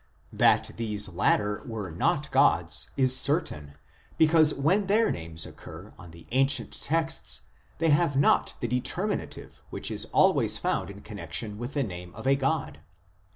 That these latter were not gods is certain because when their names occur on the ancient texts they have not the deter minative which is always found in connexion with the name of a god.